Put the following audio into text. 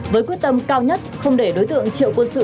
với quyết tâm cao nhất không để đối tượng triệu quân sự